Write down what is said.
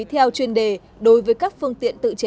theo chuyên đề đối với các phương tiện tự chế